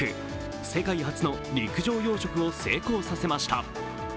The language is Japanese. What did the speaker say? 世界初の陸上養殖を成功させました。